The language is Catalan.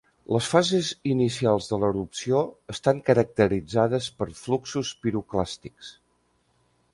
Les fases inicials de l'erupció estan caracteritzades per fluxos piroclàstics.